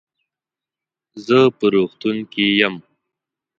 زه په روغتون کې يم.